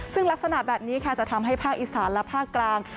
ซึ่งลักษณะแบบนี้ค่ะจะทำให้ภาคอีสานและภาคกลาง